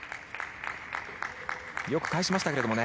よく返しましたけどね。